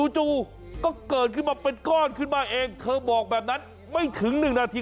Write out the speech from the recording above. จู่ก็เกิดขึ้นมาเป็นก้อนขึ้นมาเองเธอบอกแบบนั้นไม่ถึง๑นาที